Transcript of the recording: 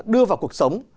đưa vào cuộc sống